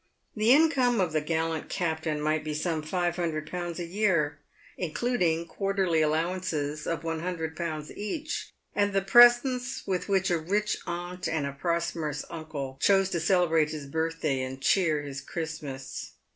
The income of the gallant captain might be some 500Z. a year, including quarterly allowances of 100 1, each, and the presents with which a rich aunt and a prosperous uncle chose to celebrate his birth day and cheer his Christmas.